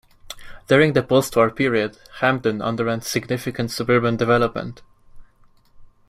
During the post-war period, Hamden underwent significant suburban development.